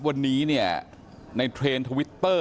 วันนี้เนี่ยในเทรนด์ทวิตเตอร์